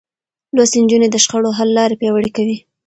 لوستې نجونې د شخړو حل لارې پياوړې کوي.